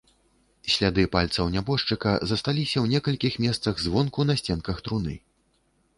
Сляды пальцаў нябожчыка засталіся ў некалькіх месцах звонку на сценках труны.